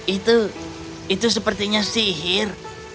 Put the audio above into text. itu itu sepertinya sihir